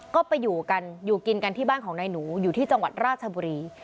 ก็ไปอยู่กันอยู่กินกันที่บ้านของนายหนูอยู่ที่จังหวัดราชบุรี